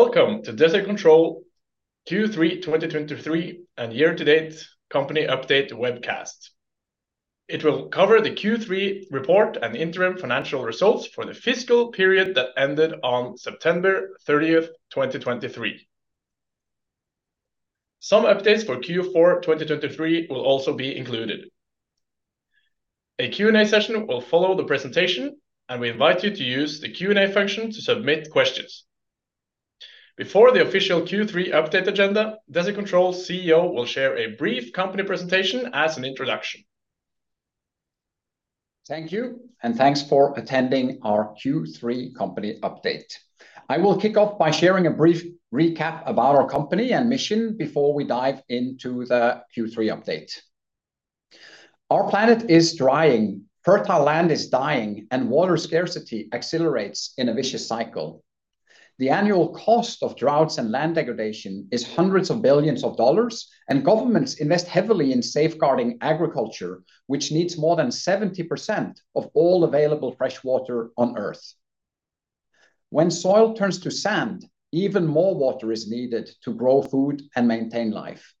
Welcome to Desert Control Q3 2023 and Year-to-Date Company Update Webcast. It will cover the Q3 report and interim financial results for the fiscal period that ended on September 30th, 2023. Some updates for Q4 2023 will also be included. A Q&A session will follow the presentation, and we invite you to use the Q&A function to submit questions. Before the official Q3 update agenda, Desert Control's CEO will share a brief company presentation as an introduction. Thank you, and thanks for attending our Q3 company update. I will kick off by sharing a brief recap about our company and mission before we dive into the Q3 update. Our planet is drying, fertile land is dying, and water scarcity accelerates in a vicious cycle. The annual cost of droughts and land degradation is hundreds of billions dollars, and governments invest heavily in safeguarding agriculture, which needs more than 70% of all available fresh water on Earth. When soil turns to sand, even more water is needed to grow food and maintain life.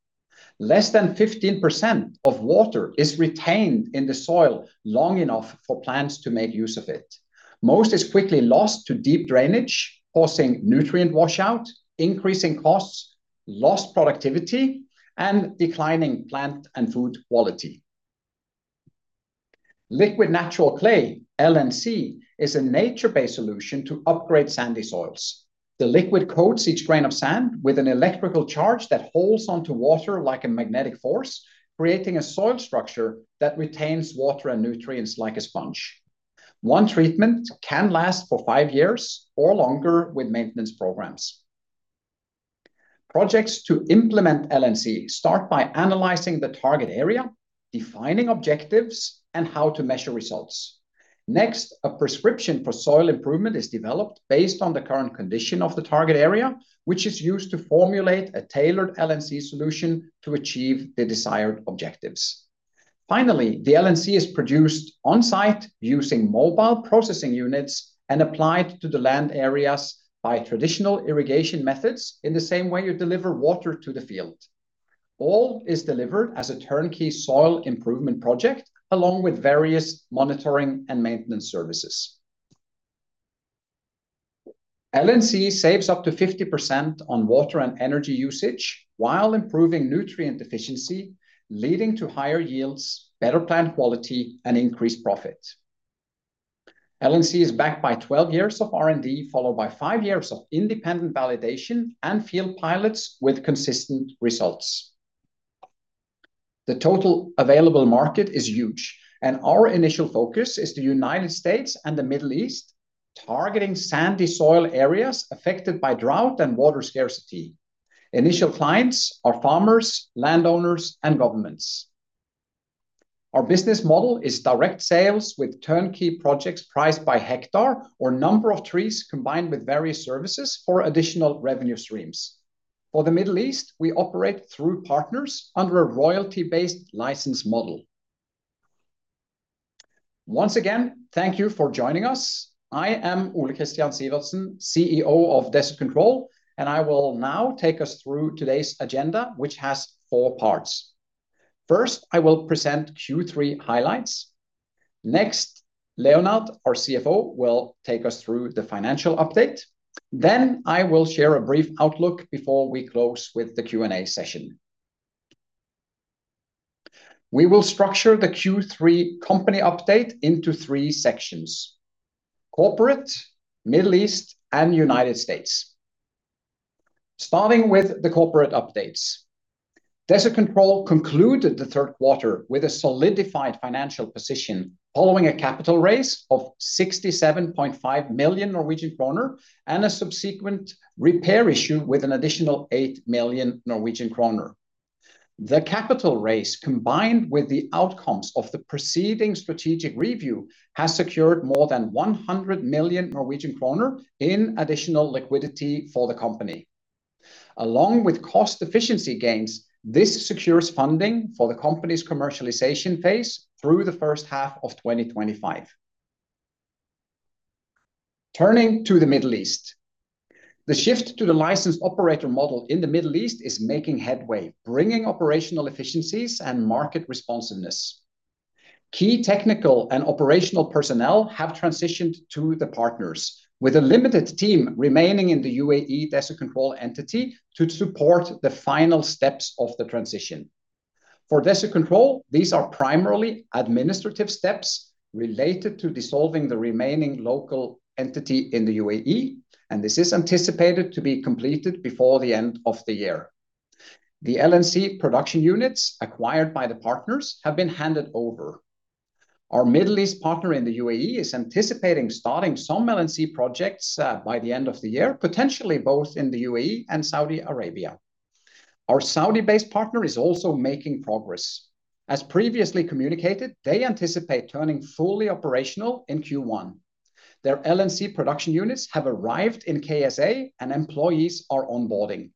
Less than 15% of water is retained in the soil long enough for plants to make use of it. Most is quickly lost to deep drainage, causing nutrient washout, increasing costs, lost productivity, and declining plant and food quality. Liquid Natural Clay, LNC, is a nature-based solution to upgrade sandy soils. The liquid coats each grain of sand with an electrical charge that holds onto water like a magnetic force, creating a soil structure that retains water and nutrients like a sponge. One treatment can last for five years or longer with maintenance programs. Projects to implement LNC start by analyzing the target area, defining objectives, and how to measure results. Next, a prescription for soil improvement is developed based on the current condition of the target area, which is used to formulate a tailored LNC solution to achieve the desired objectives. Finally, the LNC is produced on-site using mobile processing units and applied to the land areas by traditional irrigation methods in the same way you deliver water to the field. All is delivered as a turnkey soil improvement project, along with various monitoring and maintenance services. LNC saves up to 50% on water and energy usage while improving nutrient efficiency, leading to higher yields, better plant quality, and increased profit. LNC is backed by 12 years of R&D, followed by five years of independent validation and field pilots with consistent results. The total available market is huge, and our initial focus is the United States and the Middle East, targeting sandy soil areas affected by drought and water scarcity. Initial clients are farmers, landowners, and governments. Our business model is direct sales with turnkey projects priced by hectare or number of trees, combined with various services for additional revenue streams. For the Middle East, we operate through partners under a royalty-based license model. Once again, thank you for joining us. I am Ole Kristian Sivertsen, CEO of Desert Control, and I will now take us through today's agenda, which has four parts. First, I will present Q3 highlights. Next, Leonard, our CFO, will take us through the financial update. Then, I will share a brief outlook before we close with the Q&A session. We will structure the Q3 company update into three sections: Corporate, Middle East, and United States. Starting with the corporate updates, Desert Control concluded the Q3 with a solidified financial position, following a capital raise of 67.5 million Norwegian kroner and a subsequent repair issue with an additional 8 million. The capital raise, combined with the outcomes of the preceding strategic review, has secured more than 100 million Norwegian kroner in additional liquidity for the company. Along with cost efficiency gains, this secures funding for the company's commercialization phase through the H1 of 2025. Turning to the Middle East, the shift to the licensed operator model in the Middle East is making headway, bringing operational efficiencies and market responsiveness. Key technical and operational personnel have transitioned to the partners, with a limited team remaining in the UAE Desert Control entity to support the final steps of the transition. For Desert Control, these are primarily administrative steps related to dissolving the remaining local entity in the UAE, and this is anticipated to be completed before the end of the year. The LNC production units acquired by the partners have been handed over. Our Middle East partner in the UAE is anticipating starting some LNC projects by the end of the year, potentially both in the UAE and Saudi Arabia. Our Saudi-based partner is also making progress. As previously communicated, they anticipate turning fully operational in Q1. Their LNC production units have arrived in KSA, and employees are onboarding.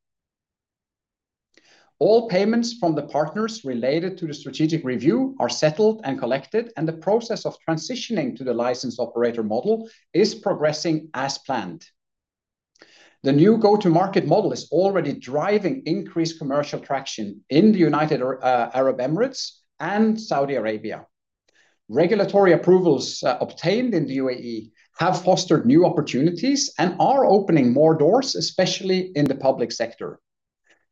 All payments from the partners related to the strategic review are settled and collected, and the process of transitioning to the licensed operator model is progressing as planned. The new go-to-market model is already driving increased commercial traction in the United Arab Emirates and Saudi Arabia. Regulatory approvals obtained in the UAE have fostered new opportunities and are opening more doors, especially in the public sector.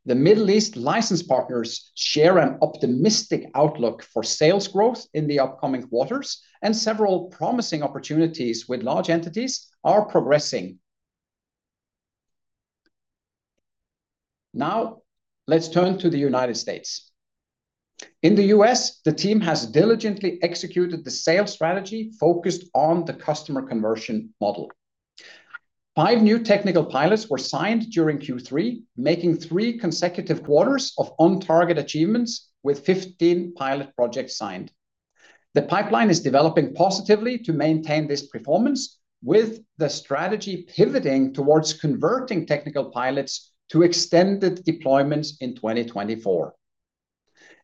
The Middle East licensed partners share an optimistic outlook for sales growth in the upcoming quarters, and several promising opportunities with large entities are progressing. Now, let's turn to the United States. In the U.S., the team has diligently executed the sales strategy focused on the customer conversion model. Five new technical pilots were signed during Q3, making three consecutive quarters of on-target achievements, with 15 pilot projects signed. The pipeline is developing positively to maintain this performance, with the strategy pivoting towards converting technical pilots to extended deployments in 2024.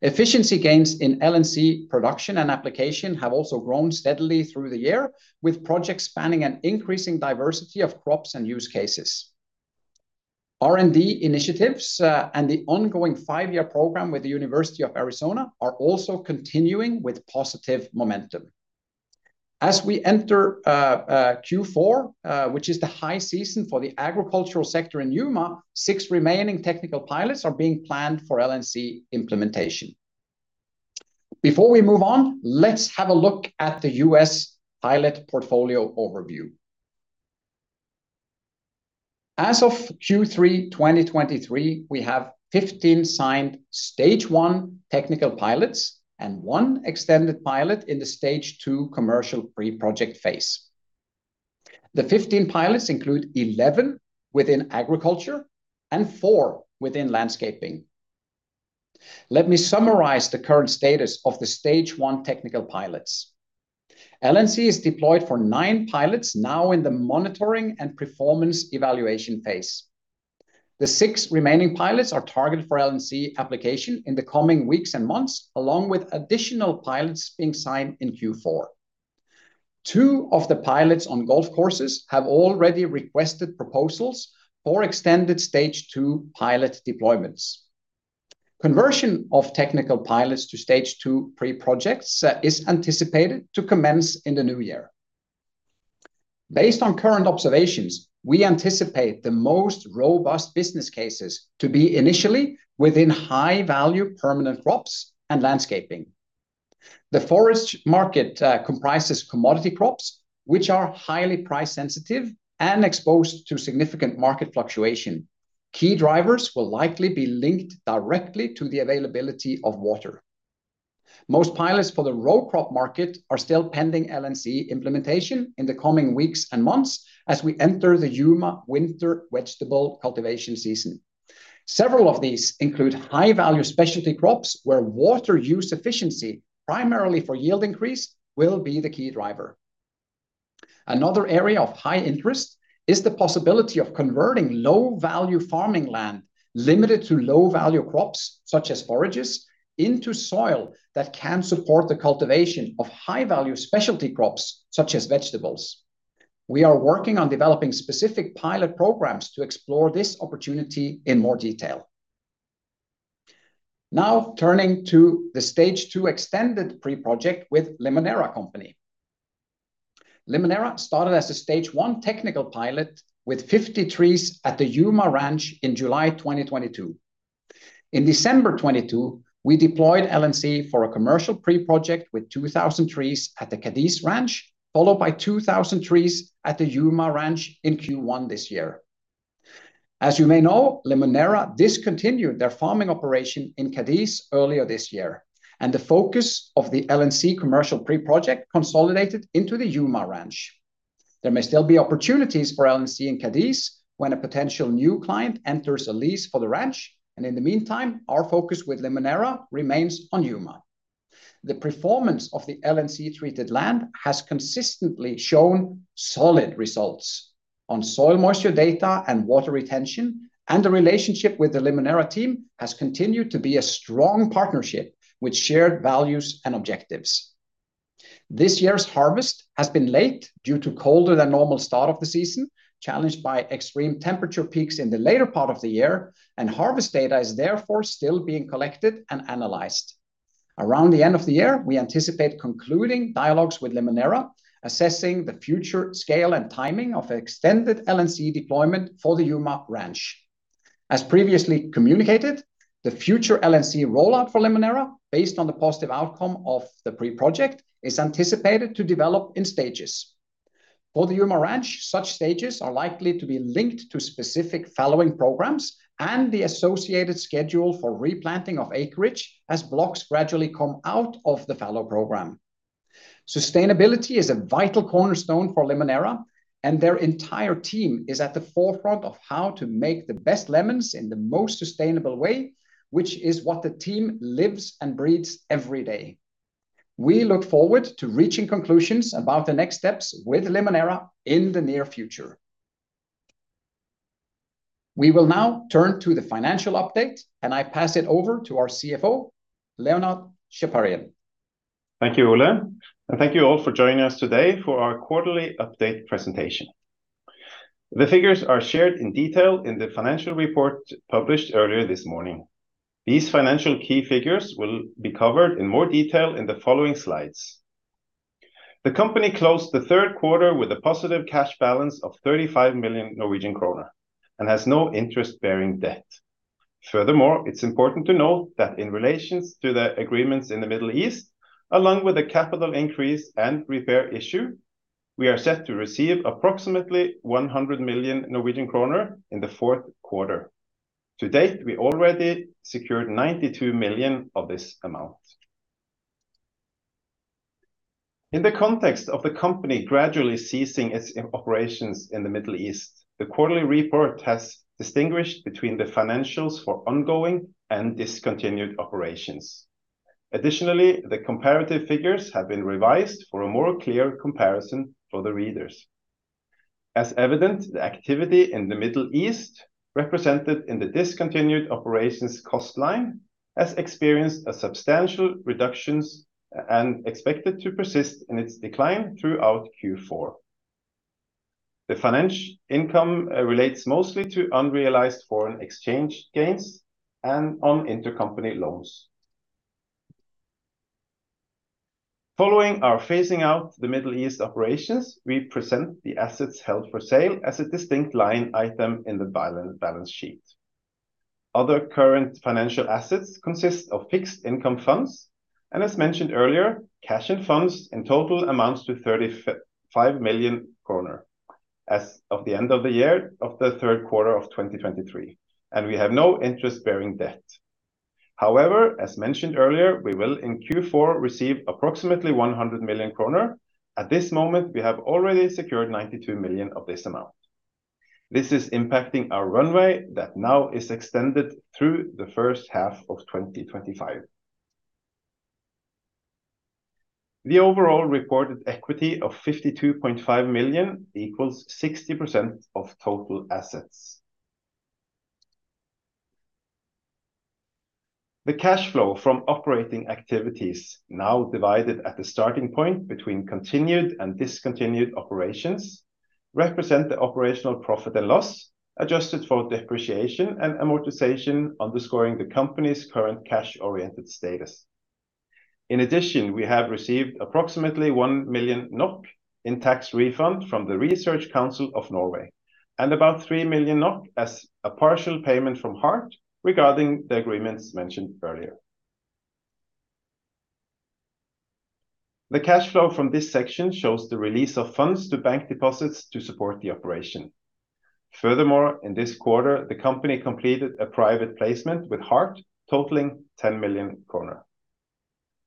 Efficiency gains in LNC production and application have also grown steadily through the year, with projects spanning an increasing diversity of crops and use cases. R&D initiatives and the ongoing five-year program with the University of Arizona are also continuing with positive momentum. As we enter Q4, which is the high season for the agricultural sector in Yuma, six remaining technical pilots are being planned for LNC implementation. Before we move on, let's have a look at the U.S. pilot portfolio overview. As of Q3 2023, we have 15 signed Stage 1 technical pilots and one extended pilot in the Stage 2 commercial pre-project phase. The 15 pilots include 11 within agriculture and four within landscaping. Let me summarize the current status of the Stage 1 technical pilots. LNC is deployed for nine pilots now in the monitoring and performance evaluation phase. The six remaining pilots are targeted for LNC application in the coming weeks and months, along with additional pilots being signed in Q4. Two of the pilots on golf courses have already requested proposals for extended Stage 2 pilot deployments. Conversion of technical pilots to Stage 2 pre-projects is anticipated to commence in the new year. Based on current observations, we anticipate the most robust business cases to be initially within high-value permanent crops and landscaping. The forage market comprises commodity crops, which are highly price-sensitive and exposed to significant market fluctuation. Key drivers will likely be linked directly to the availability of water. Most pilots for the row crop market are still pending LNC implementation in the coming weeks and months as we enter the Yuma winter vegetable cultivation season. Several of these include high-value specialty crops, where water use efficiency, primarily for yield increase, will be the key driver. Another area of high interest is the possibility of converting low-value farming land, limited to low-value crops such as forages, into soil that can support the cultivation of high-value specialty crops such as vegetables. We are working on developing specific pilot programs to explore this opportunity in more detail. Now, turning to the Stage 2 extended pre-project with Limoneira Company. Limoneira started as a Stage 1 technical pilot with 50 trees at the Yuma Ranch in July 2022. In December 2022, we deployed LNC for a commercial pre-project with 2,000 trees at the Cadiz Ranch, followed by 2,000 trees at the Yuma Ranch in Q1 this year. As you may know, Limoneira discontinued their farming operation in Cadiz earlier this year, and the focus of the LNC commercial pre-project consolidated into the Yuma Ranch. There may still be opportunities for LNC in Cadiz when a potential new client enters a lease for the ranch, and in the meantime, our focus with Limoneira remains on Yuma. The performance of the LNC-treated land has consistently shown solid results on soil moisture data and water retention, and the relationship with the Limoneira team has continued to be a strong partnership with shared values and objectives. This year's harvest has been late due to colder than normal start of the season, challenged by extreme temperature peaks in the later part of the year, and harvest data is therefore still being collected and analyzed. Around the end of the year, we anticipate concluding dialogues with Limoneira, assessing the future scale and timing of extended LNC deployment for the Yuma Ranch. As previously communicated, the future LNC rollout for Limoneira, based on the positive outcome of the pre-project, is anticipated to develop in stages. For the Yuma Ranch, such stages are likely to be linked to specific fallowing programs and the associated schedule for replanting of acreage as blocks gradually come out of the fallow program. Sustainability is a vital cornerstone for Limoneira, and their entire team is at the forefront of how to make the best lemons in the most sustainable way, which is what the team lives and breathes every day. We look forward to reaching conclusions about the next steps with Limoneira in the near future.... We will now turn to the financial update, and I pass it over to our CFO, Leonard Chaparian. Thank you, Ole, and thank you all for joining us today for our quarterly update presentation. The figures are shared in detail in the financial report published earlier this morning. These financial key figures will be covered in more detail in the following slides. The company closed the Q3 with a positive cash balance of 35 million Norwegian kroner and has no interest-bearing debt. Furthermore, it's important to note that in relation to the agreements in the Middle East, along with a capital increase and repair issue, we are set to receive approximately 100 million Norwegian kroner in the Q4. To date, we already secured 92 million of this amount. In the context of the company gradually ceasing its operations in the Middle East, the quarterly report has distinguished between the financials for ongoing and discontinued operations. Additionally, the comparative figures have been revised for a more clear comparison for the readers. As evident, the activity in the Middle East, represented in the discontinued operations cost line, has experienced a substantial reductions and expected to persist in its decline throughout Q4. The financial income relates mostly to unrealized foreign exchange gains and on intercompany loans. Following our phasing out the Middle East operations, we present the assets held for sale as a distinct line item in the balance sheet. Other current financial assets consist of fixed income funds, and as mentioned earlier, cash and funds in total amounts to 35 million kroner as of the end of the Q3 of 2023, and we have no interest-bearing debt. However, as mentioned earlier, we will in Q4 receive approximately 100 million kroner. At this moment, we have already secured 92 million of this amount. This is impacting our runway that now is extended through the first half of 2025. The overall reported equity of 52.5 million equals 60% of total assets. The cash flow from operating activities, now divided at the starting point between continued and discontinued operations, represent the operational profit and loss, adjusted for depreciation and amortization, underscoring the company's current cash-oriented status. In addition, we have received approximately 1 million NOK in tax refund from the Research Council of Norway, and about 3 million as a partial payment from Hart regarding the agreements mentioned earlier. The cash flow from this section shows the release of funds to bank deposits to support the operation. Furthermore, in this quarter, the company completed a private placement with HART, totaling 10 million kroner.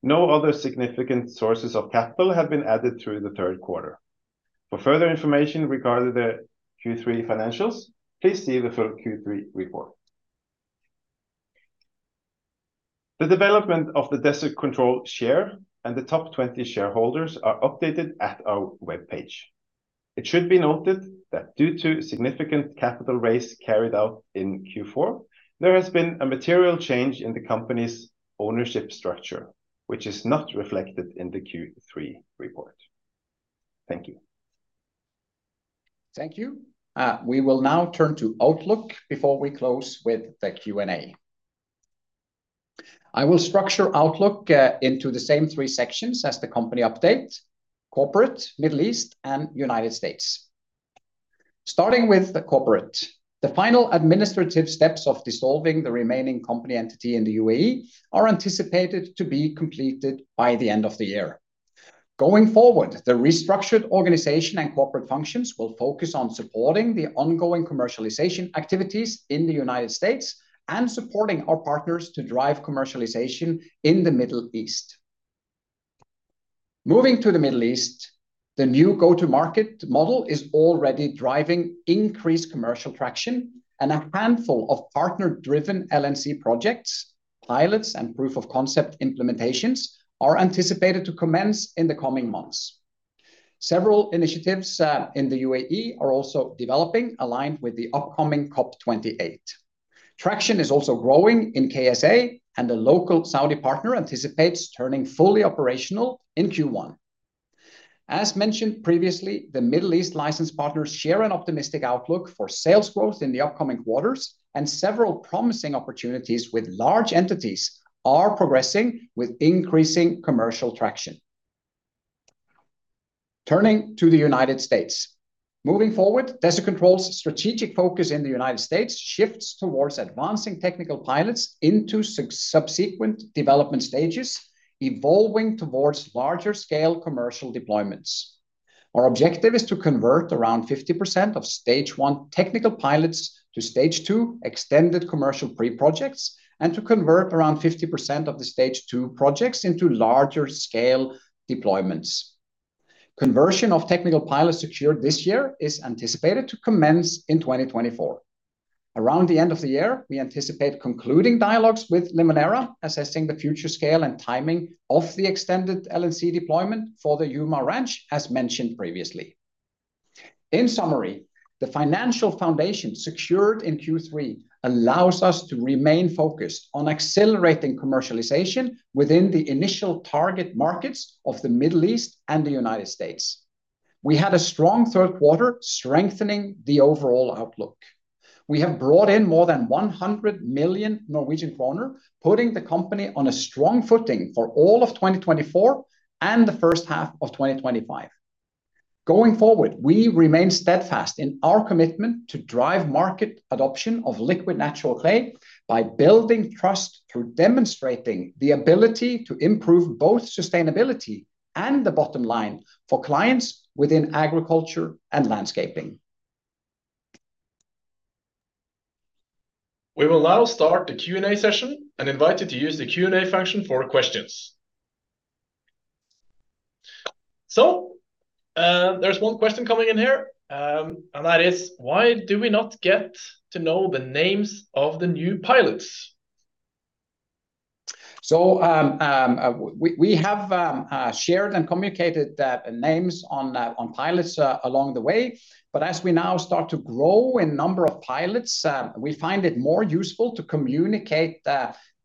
No other significant sources of capital have been added through the Q3. For further information regarding the Q3 financials, please see the full Q3 report. The development of the Desert Control share and the top 20 shareholders are updated at our webpage. It should be noted that due to significant capital raise carried out in Q4, there has been a material change in the company's ownership structure, which is not reflected in the Q3 report. Thank you. Thank you. We will now turn to outlook before we close with the Q&A. I will structure outlook into the same three sections as the company update: Corporate, Middle East, and United States. Starting with the corporate, the final administrative steps of dissolving the remaining company entity in the UAE are anticipated to be completed by the end of the year. Going forward, the restructured organization and corporate functions will focus on supporting the ongoing commercialization activities in the United States and supporting our partners to drive commercialization in the Middle East. Moving to the Middle East, the new go-to-market model is already driving increased commercial traction, and a handful of partner-driven LNC projects, pilots, and proof-of-concept implementations are anticipated to commence in the coming months. Several initiatives in the UAE are also developing, aligned with the upcoming COP 28. Traction is also growing in KSA, and the local Saudi partner anticipates turning fully operational in Q1. As mentioned previously, the Middle East licensed partners share an optimistic outlook for sales growth in the upcoming quarters, and several promising opportunities with large entities are progressing with increasing commercial traction. Turning to the United States. Moving forward, Desert Control's strategic focus in the United States shifts towards advancing technical pilots into subsequent development stages, evolving towards larger-scale commercial deployments. Our objective is to convert around 50% of Stage 1 technical pilots to Stage 2 extended commercial pre-projects, and to convert around 50% of the Stage 2 projects into larger-scale deployments. Conversion of technical pilots secured this year is anticipated to commence in 2024. Around the end of the year, we anticipate concluding dialogues with Limoneira, assessing the future scale and timing of the extended LNC deployment for the Yuma Ranch, as mentioned previously. In summary, the financial foundation secured in Q3 allows us to remain focused on accelerating commercialization within the initial target markets of the Middle East and the United States. We had a strong Q3, strengthening the overall outlook. We have brought in more than 100 million Norwegian kroner, putting the company on a strong footing for all of 2024 and the first half of 2025. Going forward, we remain steadfast in our commitment to drive market adoption of Liquid Natural Clay by building trust through demonstrating the ability to improve both sustainability and the bottom line for clients within agriculture and landscaping. We will now start the Q&A session and invite you to use the Q&A function for questions. So, there's one question coming in here, and that is, "Why do we not get to know the names of the new pilots? So, we have shared and communicated the names on pilots along the way. But as we now start to grow in number of pilots, we find it more useful to communicate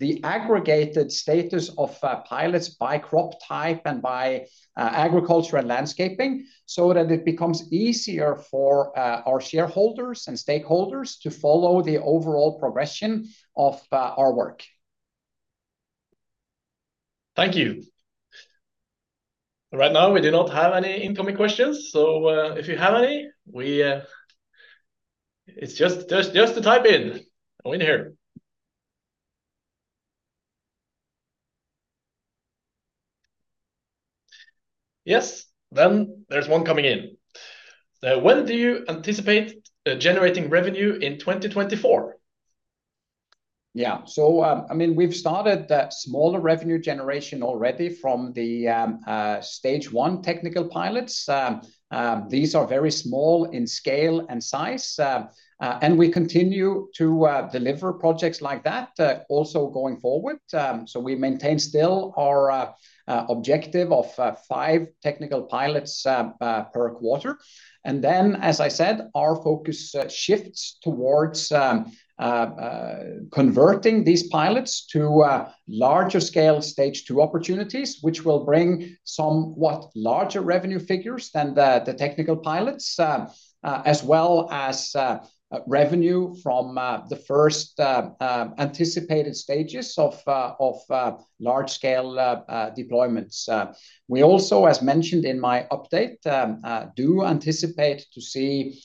the aggregated status of pilots by crop type and by agriculture and landscaping, so that it becomes easier for our shareholders and stakeholders to follow the overall progression of our work. Thank you. Right now, we do not have any incoming questions, so, if you have any, we... It's just to type in here. Yes, then there's one coming in: "When do you anticipate generating revenue in 2024? Yeah. So, I mean, we've started the smaller revenue generation already from the Stage 1 technical pilots. These are very small in scale and size, and we continue to deliver projects like that also going forward. So we maintain still our objective of five technical pilots per quarter. And then, as I said, our focus shifts towards converting these pilots to larger scale Stage 2 opportunities, which will bring somewhat larger revenue figures than the technical pilots as well as revenue from the first anticipated stages of large-scale deployments. We also, as mentioned in my update, do anticipate to see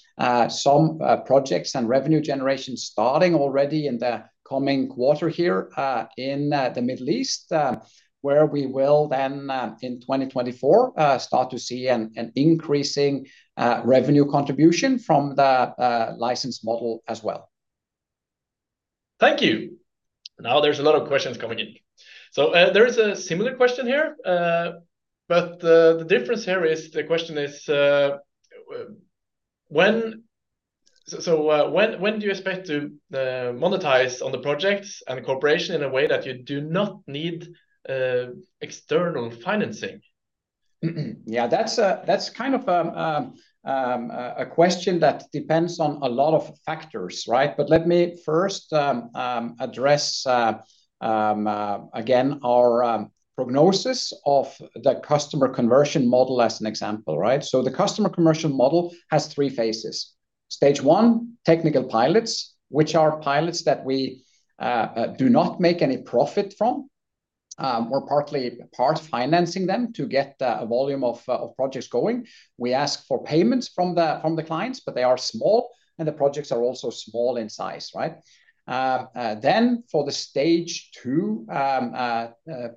some projects and revenue generation starting already in the coming quarter here, in the Middle East, where we will then, in 2024, start to see an increasing revenue contribution from the license model as well. Thank you. Now, there's a lot of questions coming in. So, there is a similar question here, but the difference here is the question is, when... "So, when do you expect to monetize on the projects and cooperation in a way that you do not need external financing? Yeah, that's kind of a question that depends on a lot of factors, right? But let me first address again our prognosis of the customer conversion model as an example, right? So the customer commercial model has three phases. Stage 1, technical pilots, which are pilots that we do not make any profit from. We're partly financing them to get a volume of projects going. We ask for payments from the clients, but they are small, and the projects are also small in size, right? Then, for the Stage 2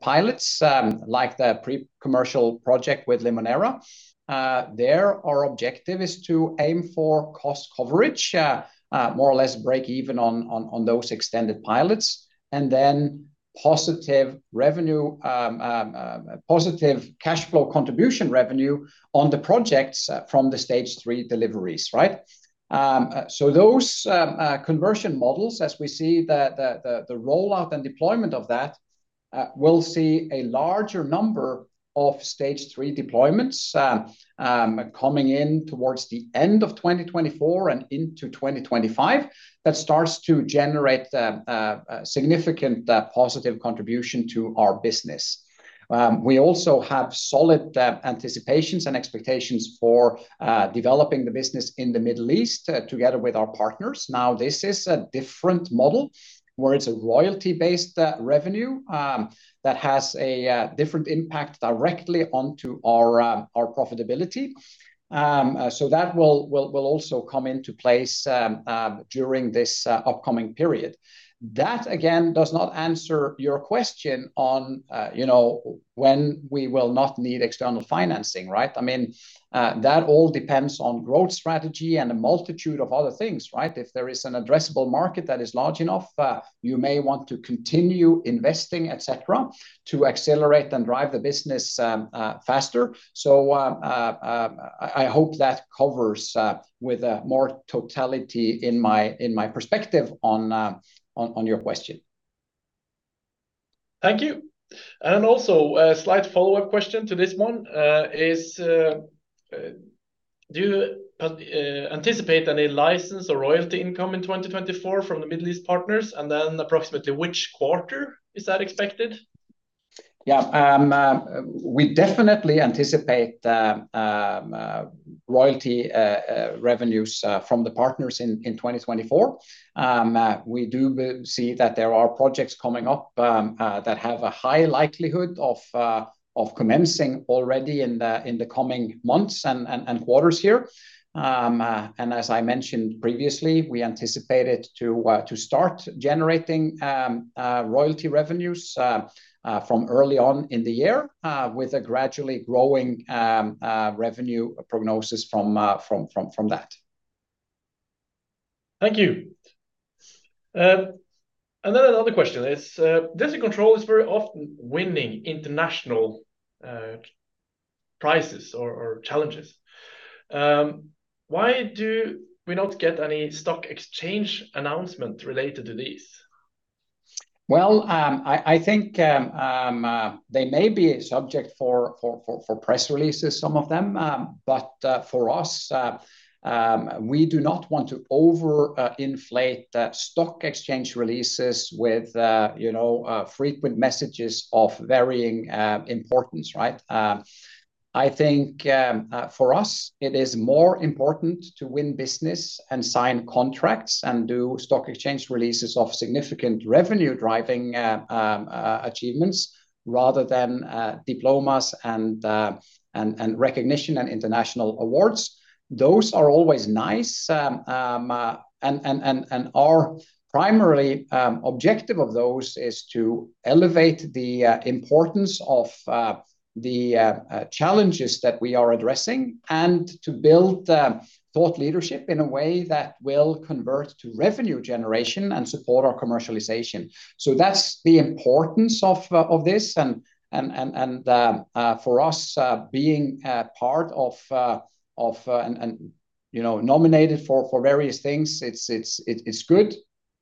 pilots, like the pre-commercial project with Limoneira, our objective is to aim for cost coverage, more or less break even on those extended pilots, and then positive revenue, positive cash flow contribution revenue on the projects from the Stage 3 deliveries, right? So those conversion models, as we see the rollout and deployment of that, we'll see a larger number of Stage 3 deployments coming in towards the end of 2024 and into 2025, that starts to generate a significant positive contribution to our business. We also have solid anticipations and expectations for developing the business in the Middle East together with our partners. Now, this is a different model, where it's a royalty-based revenue that has a different impact directly onto our profitability. So that will also come into place during this upcoming period. That, again, does not answer your question on, you know, when we will not need external financing, right? I mean, that all depends on growth strategy and a multitude of other things, right? If there is an addressable market that is large enough, you may want to continue investing, et cetera, to accelerate and drive the business faster. So, I hope that covers with more totality in my perspective on your question. Thank you. And also, a slight follow-up question to this one, do you anticipate any license or royalty income in 2024 from the Middle East partners, and then approximately which quarter is that expected? Yeah, we definitely anticipate royalty revenues from the partners in 2024. We do see that there are projects coming up that have a high likelihood of commencing already in the coming months and quarters here. And as I mentioned previously, we anticipated to start generating royalty revenues from early on in the year with a gradually growing revenue prognosis from that. Thank you. And then another question is, Desert Control is very often winning international prizes or challenges. Why do we not get any stock exchange announcement related to this? Well, I think they may be a subject for press releases, some of them. But for us, we do not want to overinflate the stock exchange releases with, you know, frequent messages of varying importance, right? I think for us, it is more important to win business and sign contracts and do stock exchange releases of significant revenue-driving achievements, rather than diplomas and recognition and international awards. Those are always nice, and our primary objective of those is to elevate the importance of the challenges that we are addressing, and to build thought leadership in a way that will convert to revenue generation and support our commercialization. So that's the importance of this, and for us being part of... And you know, nominated for various things, it's good,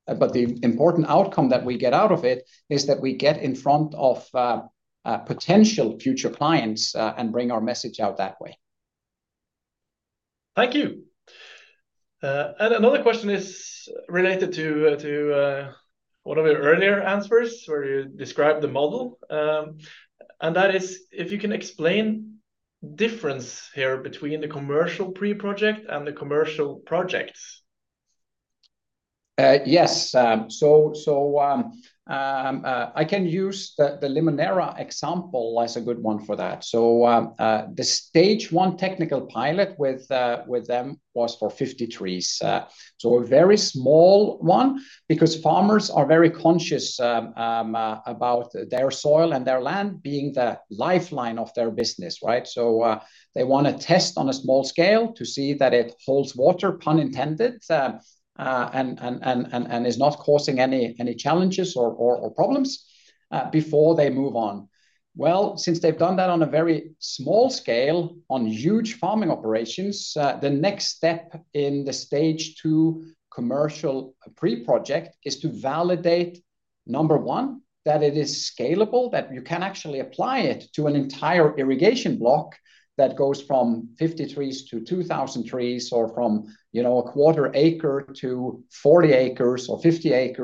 but the important outcome that we get out of it is that we get in front of potential future clients, and bring our message out that way. Thank you. Another question is related to one of your earlier answers, where you described the model. That is, if you can explain difference here between the commercial pre-project and the commercial projects? Yes. So, I can use the Limoneira example as a good one for that. So, the Stage 1 technical pilot with them was for 50 trees. So a very small one because farmers are very conscious about their soil and their land being the lifeline of their business, right? So, they want to test on a small scale to see that it holds water, pun intended, and is not causing any challenges or problems before they move on. Well, since they've done that on a very small scale on huge farming operations, the next step in the Stage 2 commercial pre-project is to validate, number one, that it is scalable, that you can actually apply it to an entire irrigation block that goes from 50 trees to 2,000 trees, or from, you know, a quarter acre to 40ac or 50ac,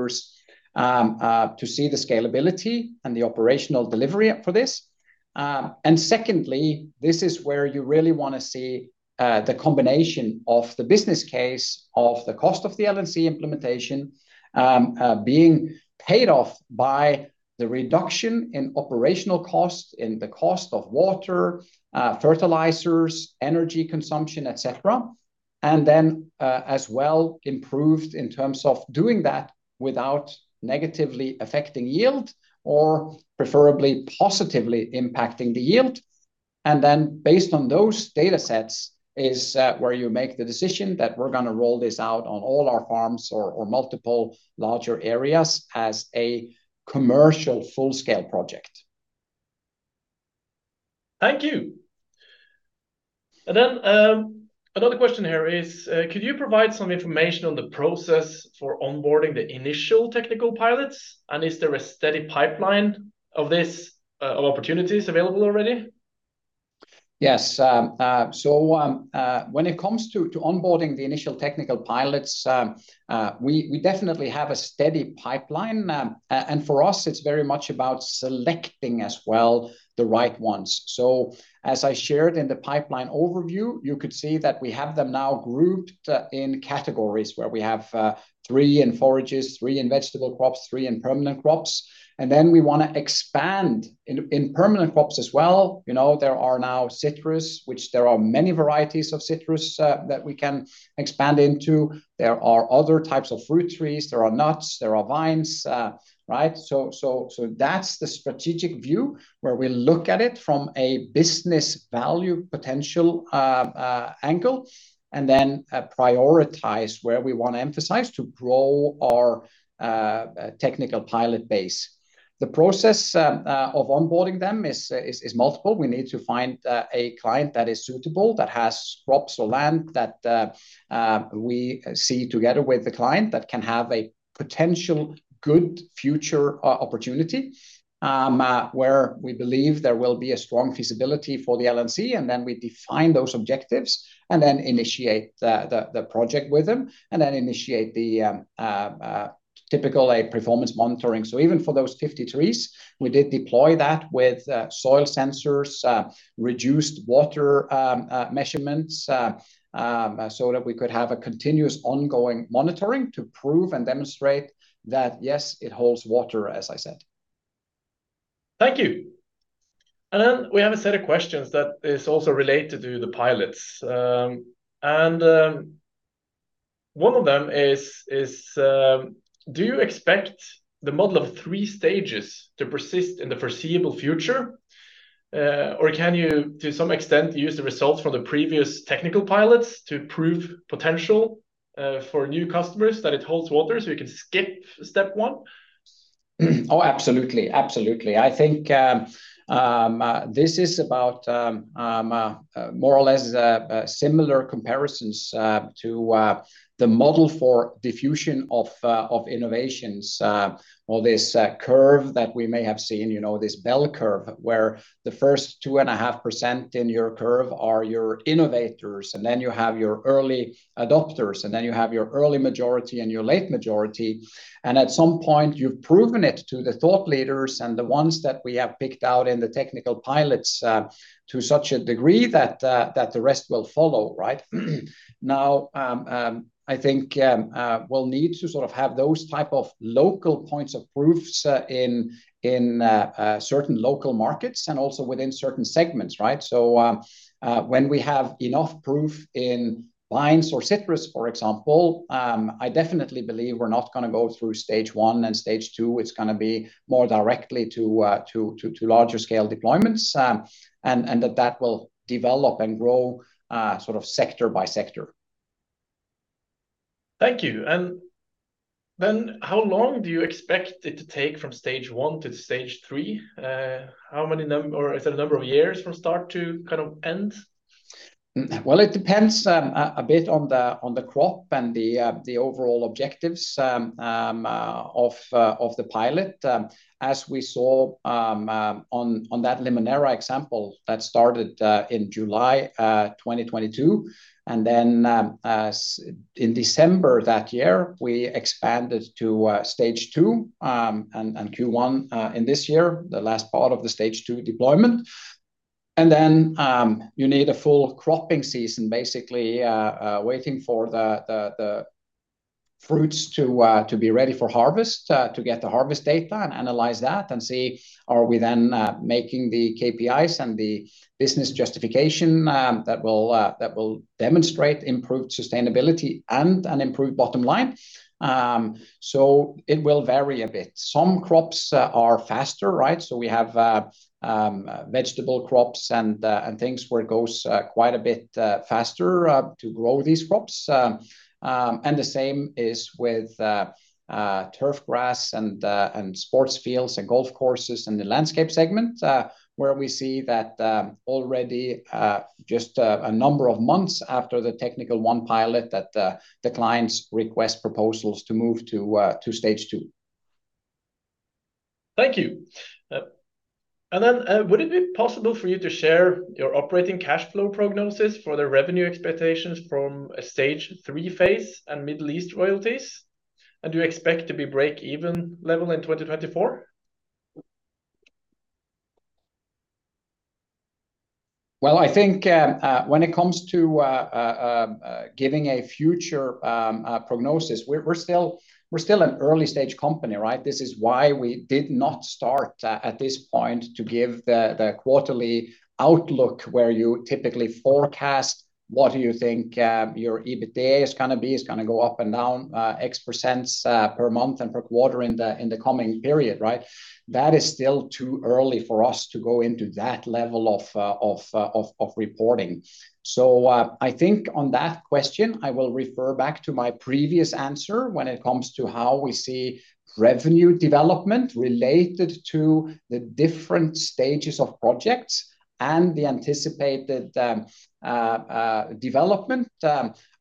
to see the scalability and the operational delivery for this. And secondly, this is where you really want to see the combination of the business case of the cost of the LNC implementation being paid off by the reduction in operational costs, in the cost of water, fertilizers, energy consumption, et cetera. And then, as well, improved in terms of doing that without negatively affecting yield, or preferably positively impacting the yield. Then based on those data sets is where you make the decision that we're going to roll this out on all our farms or multiple larger areas as a commercial full-scale project. Thank you. And then, another question here is, could you provide some information on the process for onboarding the initial technical pilots, and is there a steady pipeline of this, of opportunities available already? Yes. So, when it comes to onboarding the initial technical pilots, we definitely have a steady pipeline. And for us, it's very much about selecting as well the right ones. So as I shared in the pipeline overview, you could see that we have them now grouped in categories, where we have three in forages, three in vegetable crops, three in permanent crops. And then we want to expand in permanent crops as well. You know, there are now citrus, which there are many varieties of citrus, that we can expand into. There are other types of fruit trees, there are nuts, there are vines. Right, so that's the strategic view, where we look at it from a business value potential angle, and then prioritize where we want to emphasize to grow our technical pilot base. The process of onboarding them is multiple. We need to find a client that is suitable, that has crops or land that we see together with the client, that can have a potential good future opportunity, where we believe there will be a strong feasibility for the LNC, and then we define those objectives, and then initiate the project with them, and then initiate the typical, like, performance monitoring. So even for those 50 trees, we did deploy that with soil sensors, reduced water measurements, so that we could have a continuous ongoing monitoring to prove and demonstrate that, yes, it holds water, as I said. Thank you. Then we have a set of questions that is also related to the pilots. One of them is, do you expect the model of three stages to persist in the foreseeable future, or can you, to some extent, use the results from the previous technical pilots to prove potential for new customers that it holds water, so you can skip step one? Oh, absolutely. Absolutely. I think, this is about, more or less, similar comparisons, to, the model for diffusion of, of innovations. Well, this curve that we may have seen, you know, this bell curve, where the first 2.5% in your curve are your innovators, and then you have your early adopters, and then you have your early majority and your late majority. And at some point, you've proven it to the thought leaders and the ones that we have picked out in the technical pilots, to such a degree that, that the rest will follow, right? Now, I think, we'll need to sort of have those type of local points of proofs, in, in, certain local markets and also within certain segments, right? So, when we have enough proof in vines or citrus, for example, I definitely believe we're not gonna go through Stage 1 and Stage 2. It's gonna be more directly to larger scale deployments, and that will develop and grow, sort of sector by sector. Thank you. And then how long do you expect it to take from Stage 1 to Stage 3? How many or is it a number of years from start to kind of end? Well, it depends a bit on the crop and the overall objectives of the pilot. As we saw on that Limoneira example that started in July 2022, and then in December that year, we expanded to Stage 2, and Q1 in this year, the last part of the Stage 2 deployment. And then you need a full cropping season, basically, waiting for the fruits to be ready for harvest to get the harvest data and analyze that, and see are we then making the KPIs and the business justification that will demonstrate improved sustainability and an improved bottom line. So it will vary a bit. Some crops are faster, right? So we have vegetable crops and things where it goes quite a bit faster to grow these crops. And the same is with turf grass and sports fields and golf courses in the landscape segment where we see that already just a number of months after the technical one pilot that the clients request proposals to move to Stage 2. Thank you. And then, would it be possible for you to share your operating cash flow prognosis for the revenue expectations from a Stage 3 phase and Middle East royalties? And do you expect to be break-even level in 2024? Well, I think when it comes to giving a future prognosis, we're still an early-stage company, right? This is why we did not start at this point to give the quarterly outlook, where you typically forecast what you think your EBITDA is gonna be. It's gonna go up and down X% per month and per quarter in the coming period, right? That is still too early for us to go into that level of reporting. So, I think on that question, I will refer back to my previous answer when it comes to how we see revenue development related to the different stages of projects and the anticipated development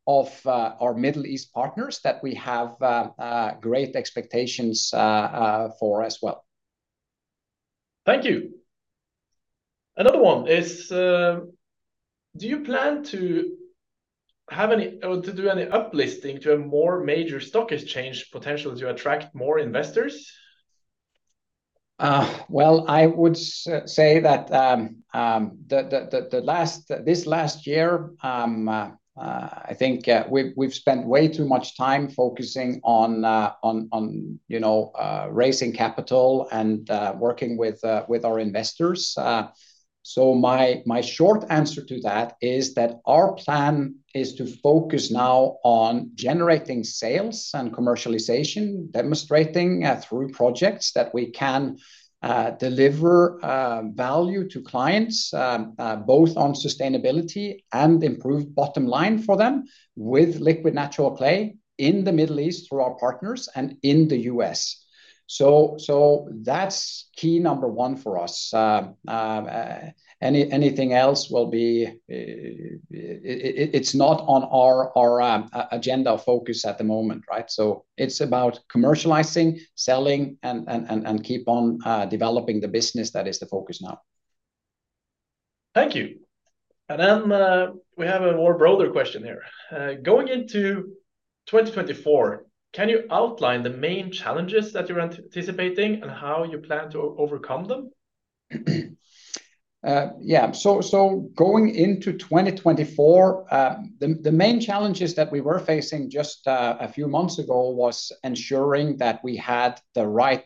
of our Middle East partners that we have great expectations for as well. Thank you. Another one is, do you plan to have any... or to do any uplisting to a more major stock exchange potential to attract more investors? Well, I would say that this last year, I think, we've spent way too much time focusing on, you know, raising capital and working with our investors. So my short answer to that is that our plan is to focus now on generating sales and commercialization, demonstrating through projects, that we can deliver value to clients both on sustainability and improved bottom line for them with Liquid Natural Clay in the Middle East through our partners and in the U.S. So that's key number one for us. Anything else will be, it's not on our agenda or focus at the moment, right? So it's about commercializing, selling, and keep on developing the business. That is the focus now. Thank you. And then, we have a more broader question here. Going into 2024, can you outline the main challenges that you're anticipating and how you plan to overcome them? Yeah, so going into 2024, the main challenges that we were facing just a few months ago was ensuring that we had the right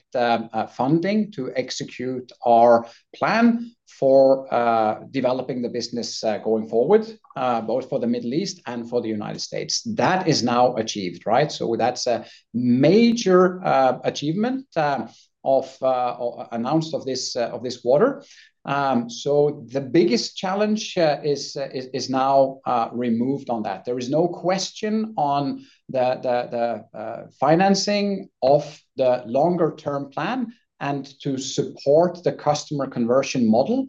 funding to execute our plan for developing the business going forward, both for the Middle East and for the United States. That is now achieved, right? So that's a major achievement announced this quarter. So the biggest challenge is now removed on that. There is no question on the financing of the longer-term plan and to support the customer conversion model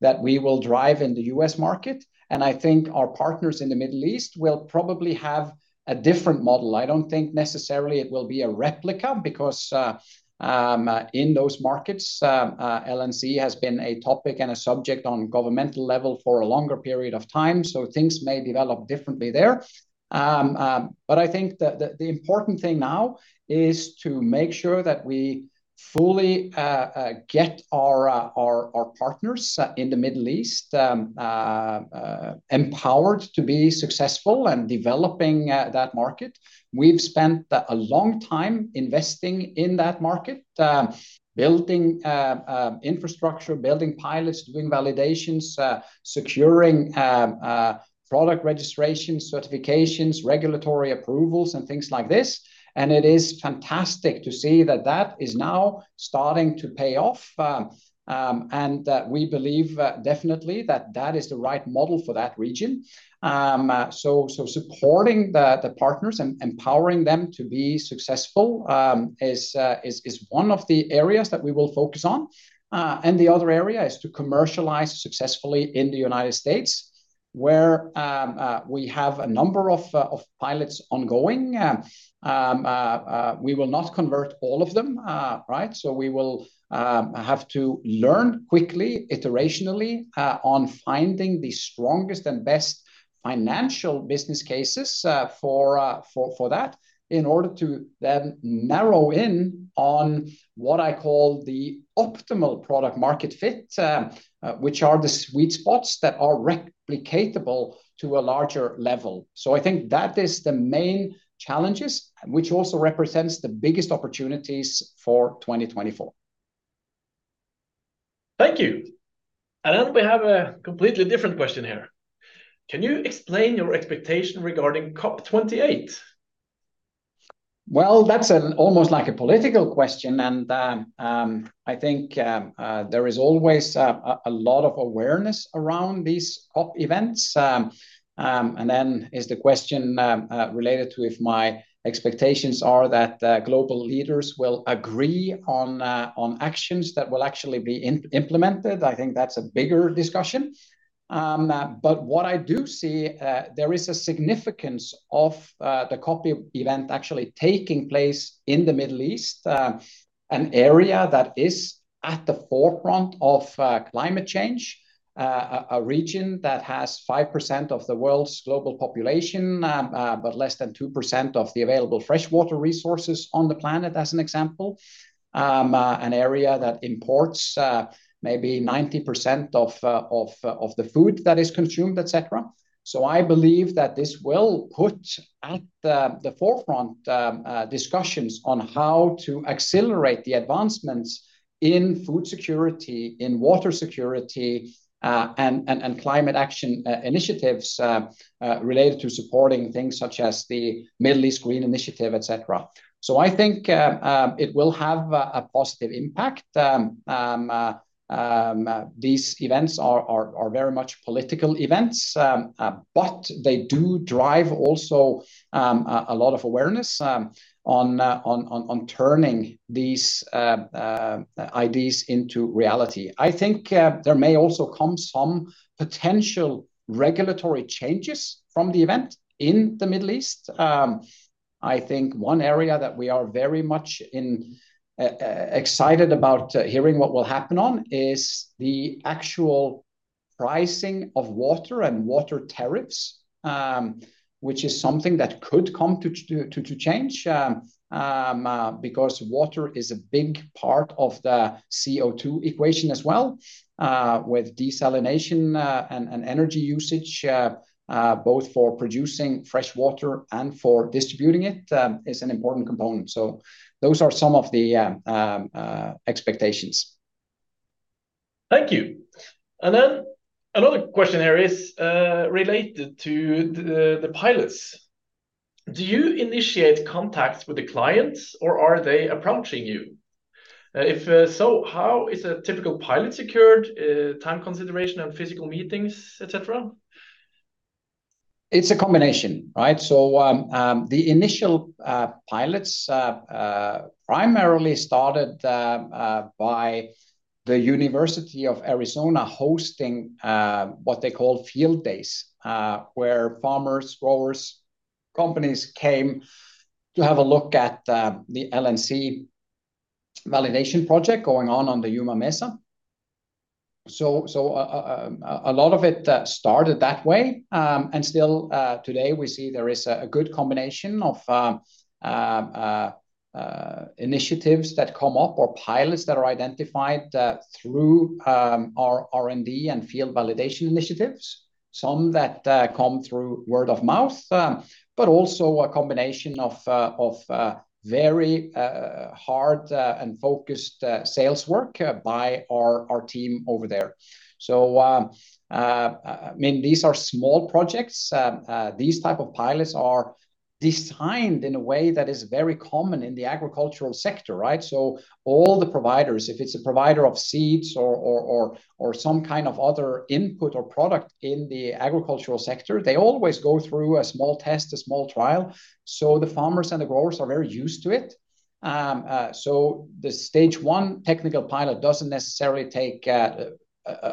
that we will drive in the U.S. market, and I think our partners in the Middle East will probably have a different model. I don't think necessarily it will be a replica because in those markets LNC has been a topic and a subject on governmental level for a longer period of time, so things may develop differently there. But I think the important thing now is to make sure that we fully get our partners in the Middle East empowered to be successful in developing that market. We've spent a long time investing in that market, building infrastructure, building pilots, doing validations, securing product registration, certifications, regulatory approvals, and things like this, and it is fantastic to see that that is now starting to pay off. And that we believe definitely that that is the right model for that region. So, supporting the partners and empowering them to be successful, is one of the areas that we will focus on. And the other area is to commercialize successfully in the United States, where we have a number of pilots ongoing. We will not convert all of them, right? So we will have to learn quickly, iterationally, on finding the strongest and best financial business cases, for that in order to then narrow in on what I call the optimal product market fit, which are the sweet spots that are replicatable to a larger level. So I think that is the main challenges, which also represents the biggest opportunities for 2024. Thank you. We have a completely different question here. Can you explain your expectation regarding COP 28? Well, that's almost like a political question, and I think there is always a lot of awareness around these COP events. And then is the question related to if my expectations are that global leaders will agree on actions that will actually be implemented? I think that's a bigger discussion. But what I do see, there is a significance of the COP event actually taking place in the Middle East, an area that is at the forefront of climate change. A region that has 5% of the world's global population, but less than 2% of the available fresh water resources on the planet, as an example. An area that imports maybe 90% of the food that is consumed, et cetera. So I believe that this will put at the forefront discussions on how to accelerate the advancements in food security, in water security, and climate action initiatives related to supporting things such as the Middle East Green Initiative, et cetera. So I think it will have a positive impact. These events are very much political events, but they do drive also a lot of awareness on turning these ideas into reality. I think there may also come some potential regulatory changes from the event in the Middle East. I think one area that we are very much excited about hearing what will happen on is the actual pricing of water and water tariffs, which is something that could come to change because water is a big part of the CO2 equation as well. With desalination and energy usage both for producing fresh water and for distributing it is an important component. So those are some of the expectations. Thank you. And then another question here is related to the pilots. Do you initiate contacts with the clients, or are they approaching you? If so, how is a typical pilot secured, time consideration and physical meetings, et cetera? It's a combination, right? So, the initial pilots primarily started by the University of Arizona hosting what they call field days, where farmers, growers, companies came to have a look at the LNC validation project going on the Yuma Mesa. So, a lot of it started that way. And still, today we see there is a good combination of initiatives that come up or pilots that are identified through our R&D and field validation initiatives, some that come through word of mouth, but also a combination of very hard and focused sales work by our team over there. So, I mean, these are small projects. These type of pilots are designed in a way that is very common in the agricultural sector, right? So all the providers, if it's a provider of seeds or some kind of other input or product in the agricultural sector, they always go through a small test, a small trial, so the farmers and the growers are very used to it. So the Stage 1 technical pilot doesn't necessarily take a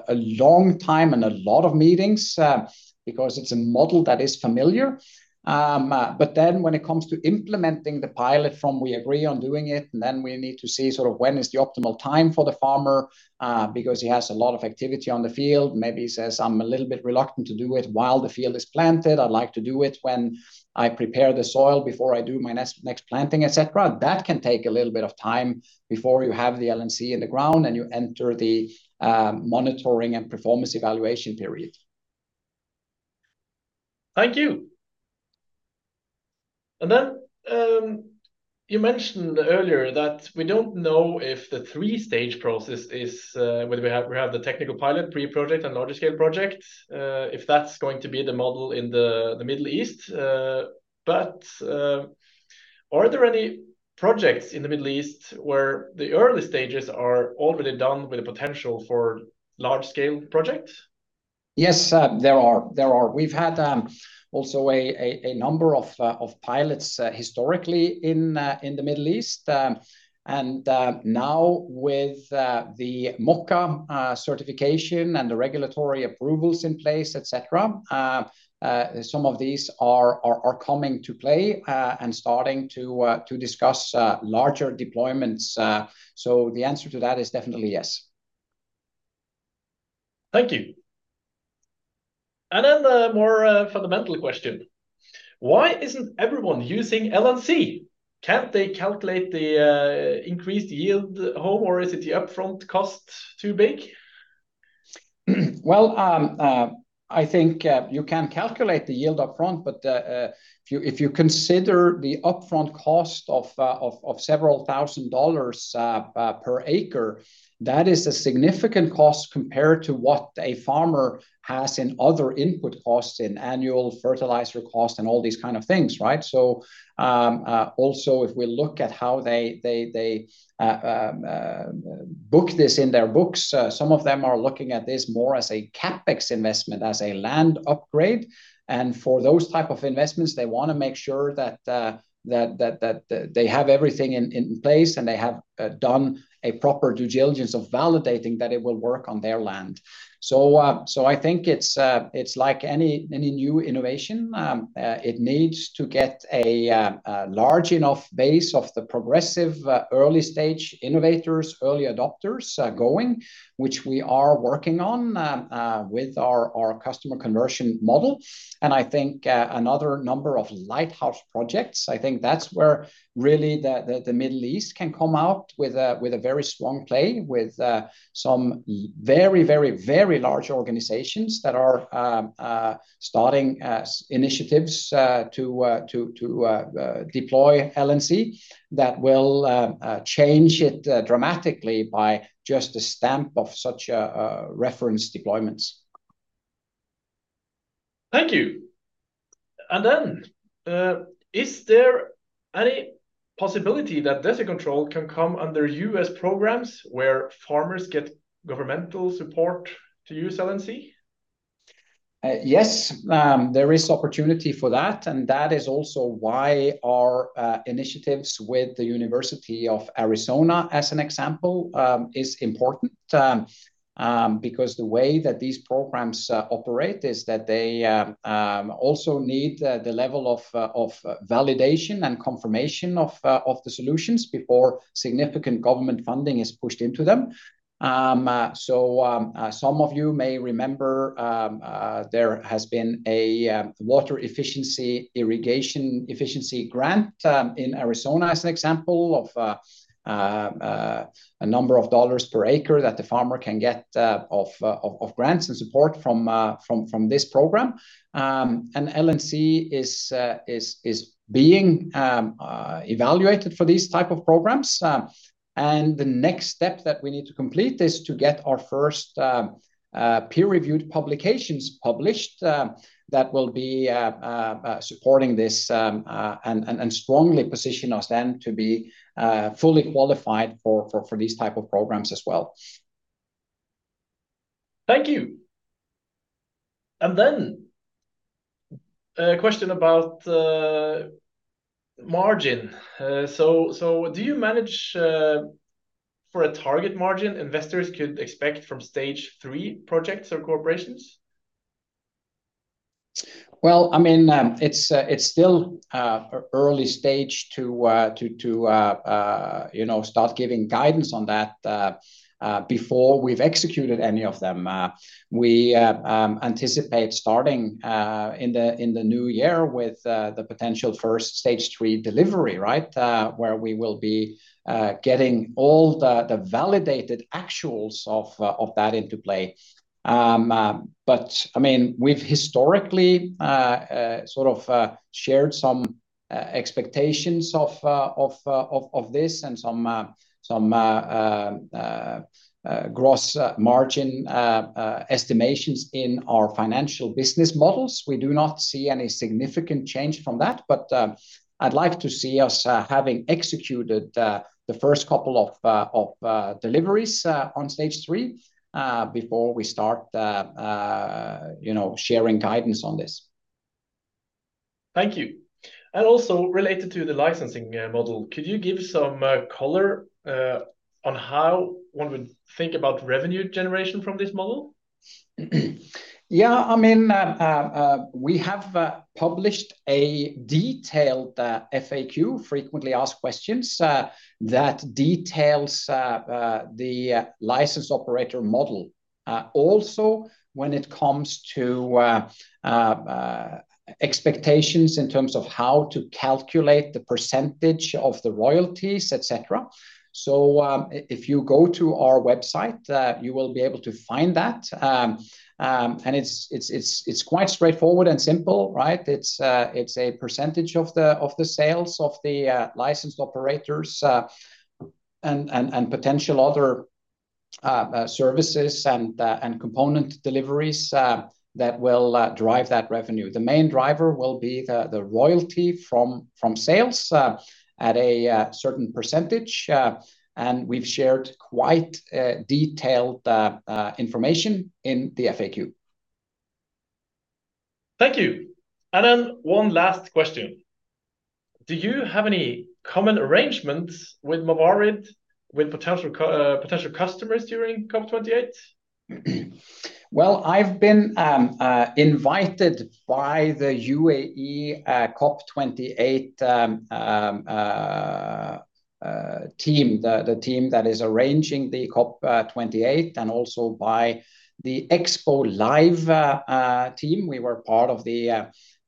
long time and a lot of meetings, because it's a model that is familiar. But then when it comes to implementing the pilot from we agree on doing it, and then we need to see sort of when is the optimal time for the farmer, because he has a lot of activity on the field. Maybe he says, "I'm a little bit reluctant to do it while the field is planted. I'd like to do it when I prepare the soil before I do my next, next planting," et cetera. That can take a little bit of time before you have the LNC in the ground and you enter the monitoring and performance evaluation period. Thank you. And then, you mentioned earlier that we don't know if the three-stage process is whether we have the technical pilot, pre-project, and large scale project if that's going to be the model in the Middle East. But, are there any projects in the Middle East where the early stages are already done with the potential for large-scale projects? Yes, there are. There are. We've had also a number of pilots historically in the Middle East. And now with the MOCCAE certification and the regulatory approvals in place, et cetera, some of these are coming to play and starting to discuss larger deployments. So the answer to that is definitely yes. Thank you. And then the more fundamental question: Why isn't everyone using LNC? Can't they calculate the increased yield home, or is it the upfront cost too big? Well, I think you can calculate the yield up front, but if you consider the upfront cost of several thousand dollars per acre, that is a significant cost compared to what a farmer has in other input costs in annual fertilizer cost and all these kind of things, right? So, also, if we look at how they book this in their books, some of them are looking at this more as a CapEx investment, as a land upgrade, and for those type of investments, they wanna make sure that they have everything in place, and they have done a proper due diligence of validating that it will work on their land. So, I think it's like any new innovation. It needs to get a large enough base of the progressive early-stage innovators, early adopters going, which we are working on with our customer conversion model. And I think another number of lighthouse projects. I think that's where really the Middle East can come out with a very strong play with some very, very, very large organizations that are starting initiatives to deploy LNC that will change it dramatically by just the stamp of such a reference deployments. Thank you. Is there any possibility that Desert Control can come under U.S. programs where farmers get governmental support to use LNC? Yes, there is opportunity for that, and that is also why our initiatives with the University of Arizona, as an example, is important. Because the way that these programs operate is that they also need the level of validation and confirmation of the solutions before significant government funding is pushed into them. So, some of you may remember, there has been a water efficiency, irrigation efficiency grant in Arizona as an example of a number of dollars per acre that the farmer can get of grants and support from this program. And LNC is being evaluated for these type of programs. The next step that we need to complete is to get our first peer-reviewed publications published that will be supporting this and strongly position us then to be fully qualified for these type of programs as well. Thank you. And then a question about margin. So, do you manage for a target margin investors could expect from Stage 3 projects or corporations? Well, I mean, it's still early stage to you know start giving guidance on that before we've executed any of them. We anticipate starting in the new year with the potential first Stage 3 delivery, right? Where we will be getting all the validated actuals of that into play. But, I mean, we've historically sort of shared some expectations of this and some gross margin estimations in our financial business models. We do not see any significant change from that, but I'd like to see us having executed the first couple of deliveries on Stage 3 before we start, you know, sharing guidance on this. Thank you. And also related to the licensing model, could you give some color on how one would think about revenue generation from this model? Yeah, I mean, we have published a detailed FAQ, frequently asked questions, that details the licensed operator model. Also when it comes to expectations in terms of how to calculate the percentage of the royalties, et cetera. So, if you go to our website, you will be able to find that. And it's quite straightforward and simple, right? It's a percentage of the sales of the licensed operators, and potential other services and component deliveries that will drive that revenue. The main driver will be the royalty from sales at a certain percentage, and we've shared quite detailed information in the FAQ. Thank you. And then one last question: do you have any common arrangements with Mawarid, with potential customers during COP 28? Well, I've been invited by the UAE, COP 28, team, the team that is arranging the COP 28, and also by the Expo Live team. We were part of the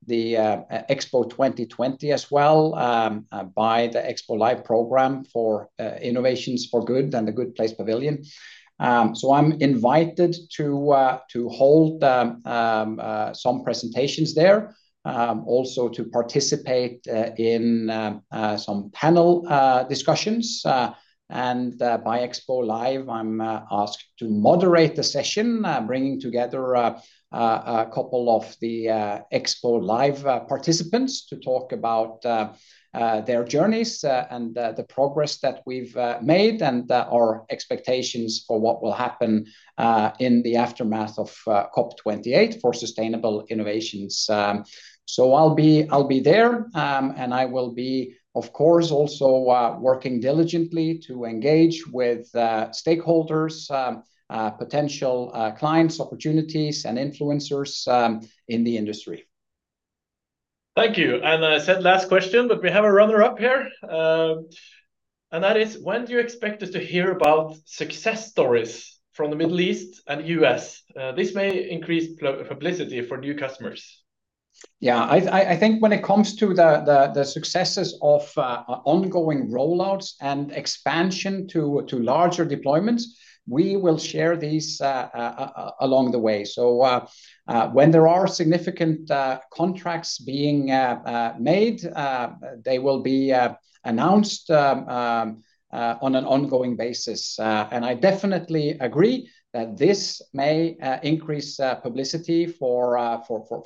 Expo 2020 as well, by the Expo Live program for innovations for good and the Good Place Pavilion. So I'm invited to hold some presentations there, also to participate in some panel discussions. And by Expo Live, I'm asked to moderate the session, bringing together a couple of the Expo Live participants to talk about their journeys and the progress that we've made, and our expectations for what will happen in the aftermath of COP 28 for sustainable innovations. So I'll be there, and I will be, of course, also working diligently to engage with stakeholders, potential clients, opportunities, and influencers in the industry. Thank you. I said last question, but we have a runner-up here, and that is: When do you expect us to hear about success stories from the Middle East and U.S.? This may increase publicity for new customers. Yeah, I think when it comes to the successes of ongoing rollouts and expansion to larger deployments, we will share these along the way. So, when there are significant contracts being made, they will be announced on an ongoing basis. And I definitely agree that this may increase publicity for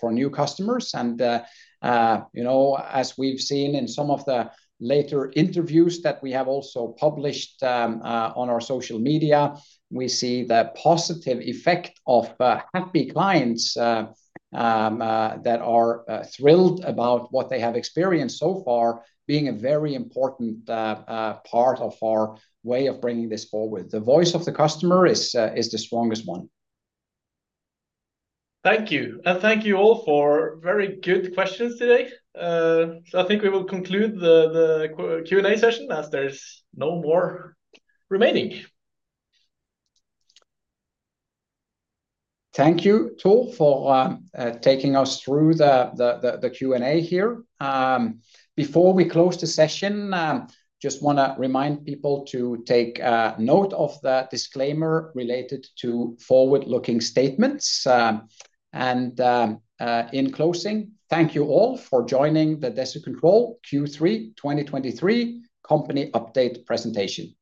new customers. And you know, as we've seen in some of the later interviews that we have also published on our social media, we see the positive effect of happy clients that are thrilled about what they have experienced so far, being a very important part of our way of bringing this forward. The voice of the customer is the strongest one. Thank you. Thank you all for very good questions today. I think we will conclude the Q&A session, as there's no more remaining. Thank you, Tor, for taking us through the Q&A here. Before we close the session, just wanna remind people to take note of the disclaimer related to forward-looking statements. In closing, thank you all for joining the Desert Control Q3 2023 Company Update Presentation.